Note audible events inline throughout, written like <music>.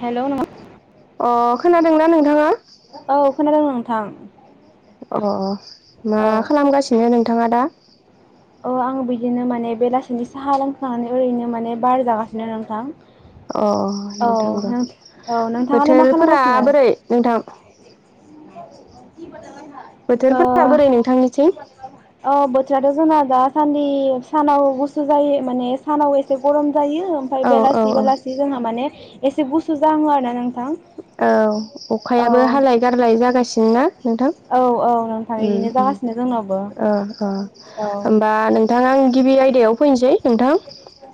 Hello नोंथां। अ खोनादोंना नोंथाङा। औ खोनादों नोंथां। अ मा औ खालामगासिनो नोंथाङा दा। अ आं बिदिनो माने बेलासिनि साहा लोंखांनानै ओरैनो माने बार जागासिनो नोंथां। अ औ नोंथांबो नों औ नोंथाङालाय मा बोथोरफोरा खालामगासिनो बोरै नोंथां। <unintelligible> ओ बोथोरफोरा बोरै नोंथांनिथिं अ बोथ फ्राथ' जोंना दासान्दि सानाव गुसु जायो माने सानाव एसे गरम। जायो ओमफ्राय औ औ बेलासि औ बेलासि जों माने एसे गुसु जाहाङो आरो नोंथां। औ औ अखायाबो हालाय गारलाय जागासिनो ना। नोंथां औ औ नोंथां उम इदिनो उम जागासिनो जोंनावबो ओ ओ औ होमबा नोंथां आं गिबि आयदायाव फैनोसै नोंथां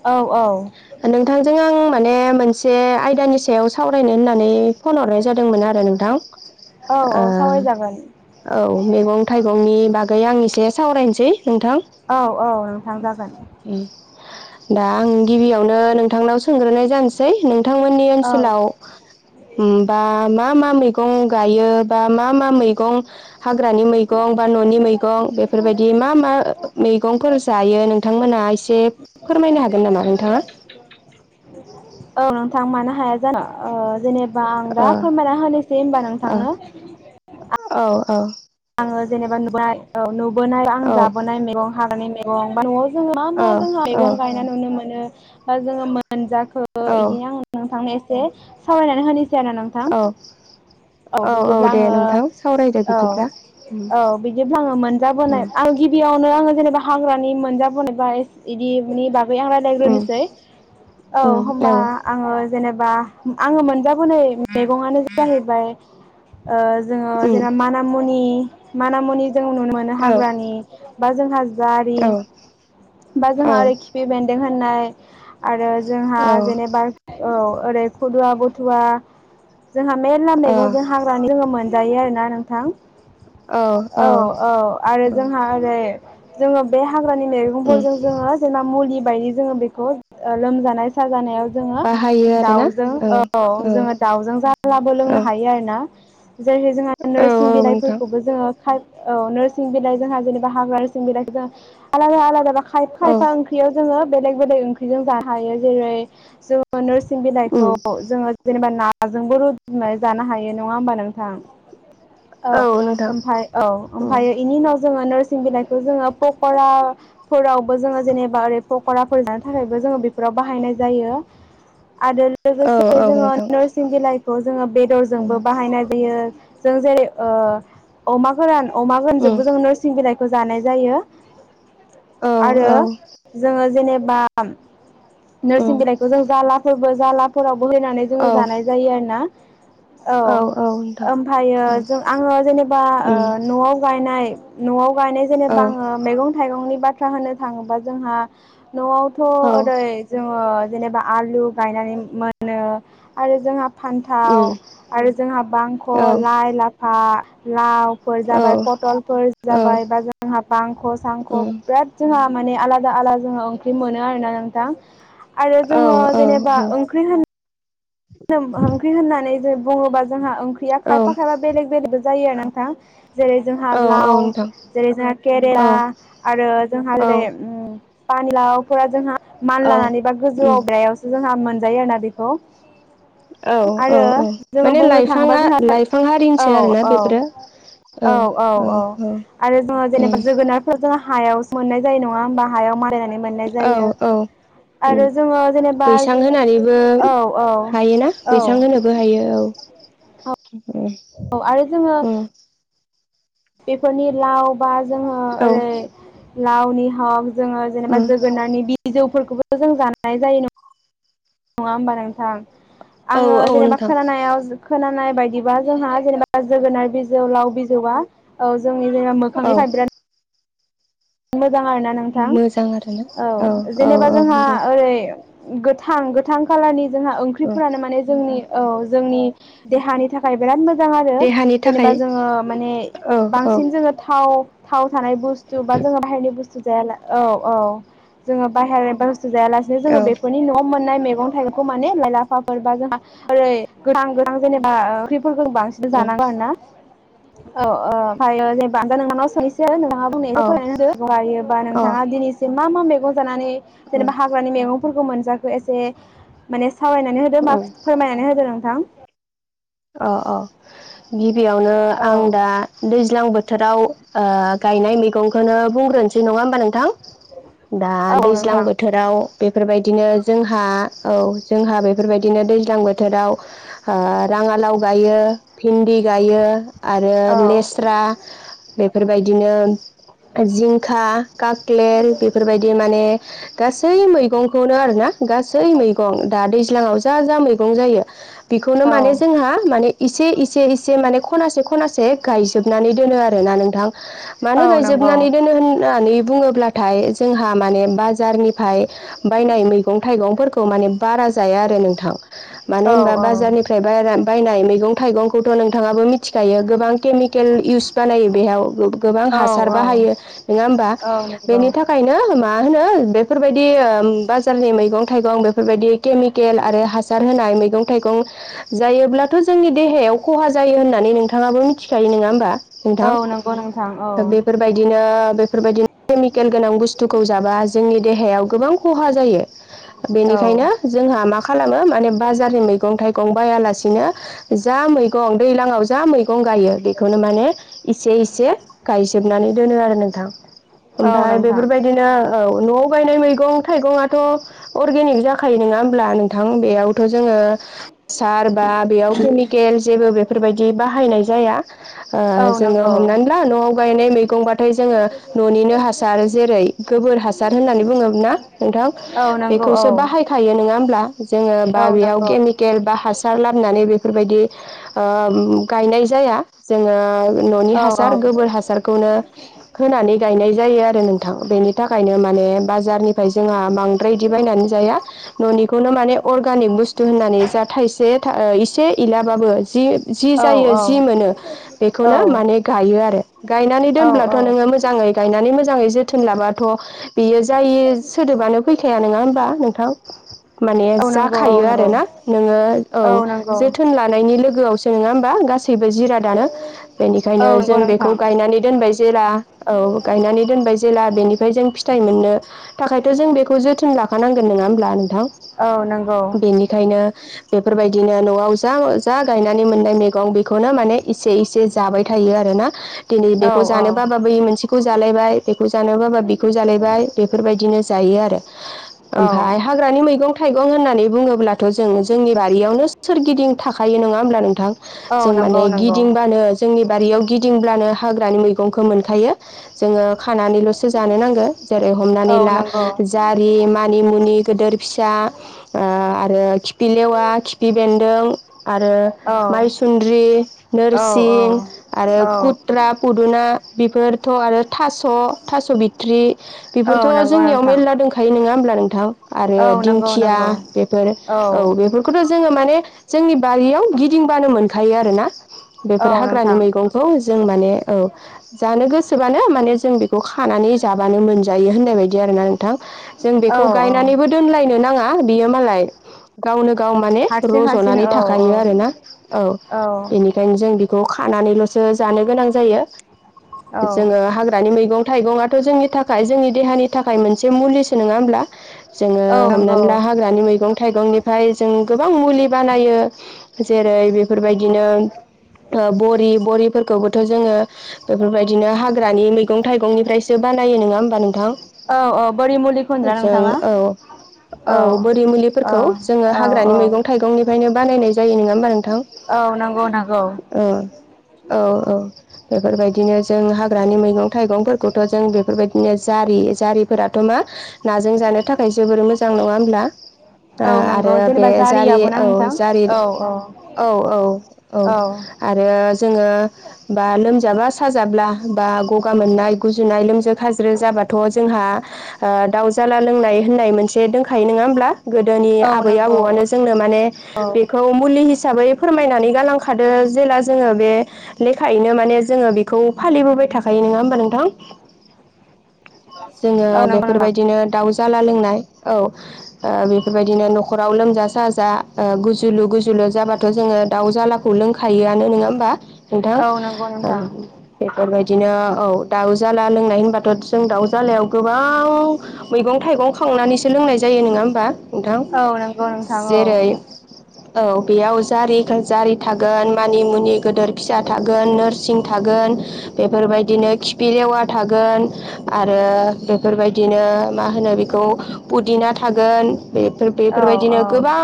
औ औ नोंथांजों आं माने मोनसे आयदानि सायाव सावरायनो होननानै फन हरनाय जादोंमोन आर रो नो नोंथां औ औ सावरायजागोन ओ औ मेगं थाइगंनि बागै आं एसे सावरायनोसै नोंथां औ औ नोंथां जागोन उम दा आं गिबियावनो नोंथांनाव सोंग्रोनाय जानोसै नों नोंथांमोननि औ ओनसोलाव बा मा मा मैगं गायो बा मा मा मैगं हाग्रानि मैगं बा न'नि मैगं बेफोरबायदि मा मा ओ मै गंफोर जायो नोंथांमोना एसे फोरमायनो हागोन नामा नोंथाङा औ नोंथां मानो हाया जानो ओ जेने बा आं ओ दा फोरमायना होनोसै होनबा ओ नोंथांनो औ औ आंङो जेनेबा नुनाय औ नुबोनाय आं औ जाबोनाय मेगं हाग्रानि मेगं न'आव जोंङो मा औ मा जोंहा मैगं गायनाय नुनो मोनो बा जोङो मोनजा ओ इदिनो आं नोंथांनो एसे सावरायनानै होनिस सैयाना नोंथां औ औ बिदिब्ला दे आङो नोंथां सावरायदो औ बिदिब्ला उम औ बिदिब्ला आङो मोनजाबोनाय उम आं गिबियावनो आङो जेनेबा हाग्रानि मोनजाबोनो इदिनि बा गै आं उम राइलायग्रोनोसै औ उम औ होनबा आङो जेनेबा आङो मोनजाबोनाय मैगंआनो जाहैबाय ओ जोंङो उम जेना मानामुनि मानामुनि जों नुनो मोनो औ हाग्रानि बा जोंहा जारि औ बा औ जोंहा ओरै खिफि बेनदों होननाय आरो जोंहा जेनेबा औ ओरै खुदुवा बथुवा जोंहा मेरला ओ मेगं जों औ हाग्रानि जोंङो मोनजायो आरोना नोंथां। औ औ आरो औ जोंहा ओरै जोङो बे हाग्रानि उम मेगंफोरजों जोङो जेना मुलि जायो जोंङो बेखौ लोमजानाय साजानायाव जोङो बाहायो आरोना दाउजों औ जोङो दाउजों जालाबो औ लोंनो हायो आरोना। जेरै जोंहा औ नोरसिं नोंथां बिलाइफोरखौबो जोंङो खार औ नोरसिं बिलाइ जोंहा जेनेबा हाग्रा नोरसिं बिलाइखौ जों आलादा आलादा रो औ खायफा-एफा ओंख्रियाव जोङो बेलेग-बेलेग ओंख्रिजों जानो हायो जेरै जों ओ नोरसिं बिलाइखौ उम जोंङो जेनेबा नाजोंबो रुदनानै जानो हायो नङा ओमबा नों नोंथां औ ओमफाय उम औ‌ इनि उनाव जों जोङो नोरसिं बिलाइखौ जोङो पक'रा फोरावबो जोङो जेनेबा ओरै फक'राफोर जानो थाखायबो जोङो बेफोराव बाहायनाय जायो। आरो औ लोगोसे औ जोङो नोंथां नोरसिं बिलाइखौ जोङो उम बेदरजोंबो बाहायनाय जायो। जों जेरै ओ अमा गोरान अमा गोन उम जोंबो जों नोरसिं बिलाइ। खौ जानाय जायो औ आरो औ जोङो जेनेबा नोरसिं उम बिलाइखौ जों जालाफोरबो जालाफोरावबो होनानै औ जोङो जानाय जायो आरो ना? औ ओमफायो उम जो आङो जेनेबा उम न'आव गायनाय। न'आव गायनाय जेनेबा आङो मैगं थाइगंनि बाथ्रा होनो थाङोबा जोंहा न'आवथ' औ ओरै जोङो जेनेबा आलु गायनानै मोनो आरो जोंहा उम फान्थाव आरो जोंहा बांख' औ लाइ लाफा लाव फोर जाबाय औ पटलफोर जाबाय बा जोंहा बांख' सांख' उम बिराद जोंहा माने आलादा आला जोंङो ओंख्रि मोनो आरोना नोंथां। आरो जोङो औ औ जेनेबा ओंख्रि होन जोम ओंख्रि होननानै जे बुङोबा जोंहा ओंख्रिया औ खायफा खायफा बेलेग बेलेग बो जायो नोंथां। जेरै औ जोंहा औ लाव नोंथां जेरै जोंहा औ केरेला आरो औ जोंहा जेरै पानिलावफोरा जोंहा मानलानानै बा उम गोजौआवग्रायावसो जोंहा मोनो। जायो आरो ना बेखौ। औ औ आरो औ जोङो माने बुंनो थाङोबा लाइफाङा जोंहा लाइफां औ हारिनिसो आरोना औ। बेफोरो औ औ औ आरो जोङो उम जेनेबा जोगोनारफोर जोंहा हायाव मोननाय जानाय नङा होमबा हायाव मानलानाय मोननाय औ जायो औ उम आरो जोङो जेनेबा औ औ। ना औ बैसां होनोबो हायो औ। औ आरो जोङो उम बेफोरनि लाव बा जोङो औ ओरै लावनि हक जोङो जेनेबा उम जोगोनारनि बिजौफोरखौबो जों जानाय जायो ना? नङा ओमबा नोंथां औ आङो औ जेनेबा नोंथां खोनानायाव खोनानाय बायदिबा जोंहा जेनेबा जोगोनार बिजौ लाव बिजौआ जोंनि जेनेबा औ मोखांनि थाइ बिराद मोजां आरोना नोंथां मोजां आरोना औ औ जेनेबा औ जोंहा नंगौ ओरै गोथां गोथां कालारनि जोंहा औ ओंख्रिफोरानो माने जोंनि औ जोंनि देहानि थाखाय बिराद मोजां। मोजां आरो देहानि जेनेबा थाखाय जोङो माने औ औ बांसिन जोङो थाव थाव थानाय बुस बा जोङो बाहेरनि बुस्थु जाया औ औ जोङो बाहेर जायालासिनो जोङो औ बेफोरनि न'आव मोन नाय मेगं थायगंखो माने लाइ लाफाफोर बा जोंहा ओरै गोथां गोथां जेनेबा ओ फोर बांसिन उम जानांगौ आरोना औ ओमफ्रायो जेनेबा नोंनाव सोंसै नोंथाङा औ <unintelligible> योबा अ नोंथाङा दिनैसिम मा मा मैगं जानानै उम जेनेबा हाग्रानि मैगं फोरखौ मोनजाखो एसे माने सावरायनानै होदो बा उम फोरमायनानै होदो नोंथां औ औ गिबियावनो आं दा औ दैज्लां बोथोर बोथोराव ओ गायनाय मैगंखौनो बुंग्रोनोसै नङा होमबा नोंथां दा औ दैज्लां नोंथां बोथोराव बेफोरबायदिनो जोंहा औ जोंहा बेफोरबायदिनो दैज्लां बोथोराव ओ राङालाव गायो भिन्दि गायो आरो औ लेस्रा बे बेफोरबायदिनो जिंखा लेर बेफोरबायदि माने गासै मैंगंखौनो आरोना गासै मैगं दा दैज्लाङाव जा जा मैगं जायो बेखौनो माने औ जोंहा माने एसे एसे एसे माने खनासे खनासे गायजोबनानै दोनो आरोना नोंथां मानो औ नंगौ गायजोबनानै दोनो होननानै बुङोब्लाथाय जोंहा माने बाजारनिफ्राय बायनाय मैगं थाइगंफोरखौ माने बारा जाया आरो नोंथां मानो औ होनबा औ बाजारनिफ्राय बायनाय मैगं थाइगंखौथ' नोंथाङाबो मिथि थिखायो गोबां केमिकेल इउस बानायो बेहयाव गोबां औ हासार औ बाहायो नङा होमबा औ नंगौ बेनि थाखायनो मा होनो बेफोरबायदि ओ बाजारनि मैगं थाइगं बेफोरबायदि केमिकेल आरो हासार होनाय मैगं थाइगं जायोब्ला जोंनि देहायाव खहा जायो होननानै नोंथाङाबो मिथिखायो नङा होमबा नोंथां औ नंगौ नोंथां औ बेफोरबायदिनो बे केमिकेल गोनां बुस्थुखौ जाबा जोंनि देहायाव गोबां खहा जायो औ बेनिखायनो जोंहा मा खालामो माने बाजारनि मैगं थाइगं जा मैगं दैलाङाव जा मैगं गंगायो बेखौनो माने एसे एसे गायजोबनानै दोनो आरो नोंथां। औ ओमफ्राय नोंथां बेफोरबायदिनो औ न'आव बायनाय मैगं थाइगङथ' अरगेनिक जाखायो नङा होमब्ला नोंथां बेयावथ' जोङो ओ जेबो बेफोरबायदि बाहायनाय जाया ओ औ जोङो नंगौ हमनानै ला न'आव गायनाय मैगं गंबाथाय जोंङो न'निनो हासार जेरै गोबोर हासार होननानै बुंङो ना नोंथां औ नंगौ औ बेखौसो बाहायखायो नंङा होमब्ला जोंङो औ बा बेयाव नंगौ केमिक हासार लाबोनानै बेफोरबायदि ओ गायनाय जाया जोङो ओ न'नि औ औ हासार गोबोर हासारखौनो होनानै गायनाय जायो आरो नोंथां बेनि थाखायनो माने बाजारनि जोंहा बांद्राय बिदि बायनानै जाया न'निखौनो माने अर्गानिक बुस्थु होननानै जा थाइसे इसे इलाबाबो जि जि औ जायो जि औ मोनो बेखौनो औ माने गायो आरो गायनानै औ दोनब्लाथ' नोङो मोजांङै गायनानै मोजां मोजाङै जोथोन लाबाथ' बेयो जाय सोदोबानो फैखाया नंङा होमबा नोंथां माने औ नंगौ औ जाखायो नंगौ आरोना नोंङो औ जोथोन लानायनि लोगोआवसो नंङा होमबा गासै गासैबो जिरा दानो बेनिखायनो औ नंगौ जों बेखौ नोंथां गायनानै दोनबाय जेला औ गायनानै दोनबाय जेला बेनिफ्राय जों फिथाइ मोननो थाखायथ' जों बेखौ जोथोन लाखानांगोन नोङा होमब्ला नोंथां औ नंगौ बेनिखायनो बेफोरबायदिनो न'आव जा जा गायनानै मोननाय मैगं बेखौनो माने इसे इसे जाबाय थायो आरोना दिनै औ बेखौ जानोबा बाबो मोनसेखौ जालायबाय बेखौ जानोबा जानो बाबाबो बेखौ जालायबाय बेफोरबादिनो जायो आरो औ ओमफाय हाग्रानि मैगं थाइगं होननानै बुङोब्लाथ' जोंनि बारियावनो सोरगिदिं थाखायायो नंङा हब्ला नोंथां जों औ मान नंगौ नंगौ गिदिंबानो जोंनि बे बारियाव गिदिंब्लानो हाग्रानि मैगंखौ मोनखायो जोङो खानानैल'सो जानो नांगो जेरै हमनानै औ ला नंगौ जारि मानिमुनि गोदिर फिसा आरो खिफि लेवा खिफि बेन्दों आरो औ माइसुन्द्रि, औ नोरसिं, आरो औ खुथ्रा, फुदुना बेफोरथ' आरो थास' थास' बिथ्रि। बेफोरथ' औ नंगौ जोंनियाव नोंथां मेरला दंखायो नंङा होमब्ला नोंथां? आरो औ नंगौ दिंखिया नंगौ बेफोर। औ बेफोरखौथ' जोंङो माने जोंनि बारियाव गिदिंबानो मोनखायो आरो ना। बेफोर औ हाग्रानि नोंथां मैगंखौ। जों माने औ जानो गोसोबानो माने जों बेखौ खानानै जाबानो मोनजायो होननाय बायदि आरोना जों औ बेखौ औ गायनानैबो दोनलायनो नांङा बियो मालाय गावनो गाव माने हारसिं हारसिं रज'नानै औ औ थाखायो आरोना औ बेनिखायनो जों बेखौ खानानैल'सो जानो गोनां जायो औ जोंङो हाग्रानि मैगं थाइगङथ' जोंनि थाखाय थाखाय जोंनि देहानि थाखाय मोनसे मुलिसो नंङा होमब्ला जोंङो औ नंगौ हमनानै ला हाग्रानि मैगं थाइगंनि। जों गोबां मुलि बानायो जेरै बेफोरबायदिनो बरि बरिफोरखौबोथ' जोंङो बेफोरबायदिनो हाग्रानि मैगं थाइगंनिफ्रायसो बानायो नंङा होमबा नोंथां? औ औ बोरि मुलिखौ होनदोंना जों नोंथाङा औ औ बोरि औ मुलिफोरखौ। जोङो औ औ हाग्रानि मैगं थाइगंनिफ्रायनो बानायनायायो जायो नंङा होमबा नोंथां औ नंगौ नंगौ औ औ औ बेफोरबायदिनो जों हाग्रानि मैगं थाइगंफोरखौथ' जों बेफोरबायदिनो जार बे जारिफोराथ' मा नाजों जानो थाखाय जोबोर मोजां नङा होमब्ला औ आरो नंगौ बे जेनेबा जारि जारियाबो ना औ नोंथां जारि औ औ औ औ औ आरो जोंङो बा लोमजाबा साजाब्ला बा गगा मोननाय गुजुनाय लोमज खाज्रि जाबथ' जोंहा द जाला लोंनाय होननाय मोनसे दंखायो नंङा होमब्ला गोदोनि औ आबै नंगौ आबौआनो औ जोंनो माने बेखौ औ मुलि हिसाबै फोरमायनानै गालांखादो जेन जोंङो बे लेखायैनो माने जोङो बेखौ फालिबोबाय थाखायो नङा होमबा नोंथां? जोङो औ नंगौ नोंथां बेफोरबायदिनो दाउ जाला लोंनाय, औ बेबायदिनो न'खराव लोमजा साजा, ओ गुजुलु गुजुलु जाबाथ' जोङो दाउ जालाखौ लोंखायो। जानो नङा होमबा नोंथां। औ नंगौ नोंथां बेफोरबायदि बिदिनो औ, दाउजाला लोंनाय होनबाथ' जों दाउजालायाव गोबां मैगं थाइगं ख संनानैसो लोंनाय जायो नङा होमबा नोंथां। औ नंगौ नोंथां औ जेरै औ बेयाव जारि जारि थागोन, मानि मुनि गदोर फिसा थागोन, नोरसिं थागोन बेफोरबायदिनो खिफि लेवा थागोन, आरो बेफोरबायदिनो मा होनो बेखौ पुदिना थागोन, बेफोर औ बेफोरबायदिनो औ गोबां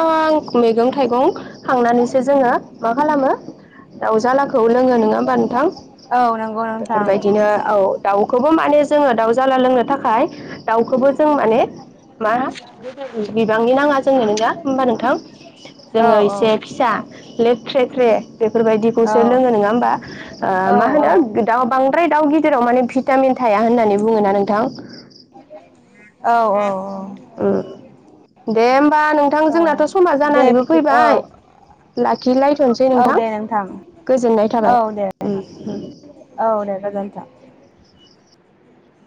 मैगं थाइगं खांनानैसो जोङो मा खालामो दाउ जालाखौ लोङो नंङा होमबा नोंथां। औ नंगौ नोंथां बेफोरबायदिनो औ दाउखौबो माने जोङो दाउ जाला लोंनो थाखाय दाउखौबो जों माने मा गोदोर बिबांनि नाङा जोंनो <unintelligible> होमबा नोंथां। औ जोङो एसे फिसा लोबख्रे ख्रे औ बेफोरबायदिखौसो लोङो नङा होमबा। ओ मा औ होनो दा बांद्राय दाउ गि दिराव माने भिटामिन थाया होननानै बुङो ना नोंथां। औ औ उम औ। दे होमबा नोंथां औ जोंनाथ' समा दे जानानैबो बिदि औ फैबाय। लाखिलायथनसै औ नोंथां। दे गोजोननाय औ दे थाबाय। औ दे गोजोन्थों।